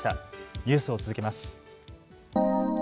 ニュースを続けます。